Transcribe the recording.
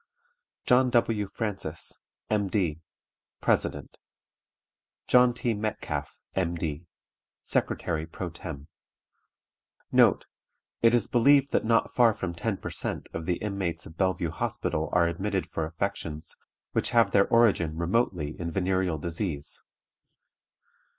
"JOHN W. FRANCIS, M.D., President. "JOHN T. METCALFE, M.D., Secretary pro tem. "NOTE. It is believed that not far from ten per cent. of the inmates of Bellevue Hospital are admitted for affections which have their origin remotely in venereal disease.